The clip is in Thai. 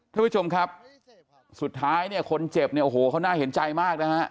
ทุกผู้ชมครับสุดท้ายเนี่ยคนเจ็บเนี่ยโอ้โหเขาน่าเห็นใจมากนะฮะ